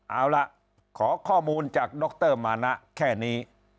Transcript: เอาล่ะขอข้อมูลจากดรมานะแค่นี้